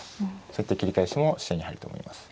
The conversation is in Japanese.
そういった切り返しも視野に入ると思います。